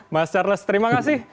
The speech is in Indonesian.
mas charles terima kasih